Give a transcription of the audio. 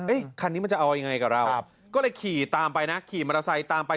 คันนี้มันจะเอายังไงกับเราก็เลยขี่ตามไปนะขี่มอเตอร์ไซค์ตามไป